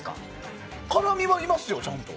辛味はいますよ、ちゃんと。